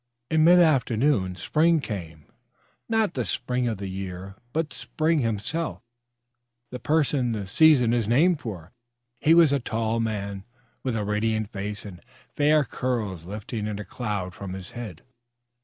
In mid afternoon, Spring came not the spring of the year, but Spring himself, the person the season is named for. He was a tall young man, with a radiant face, and fair curls lifting in a cloud from his head.